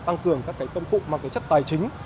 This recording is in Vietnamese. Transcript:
tăng cường các công cụ mang chất tài chính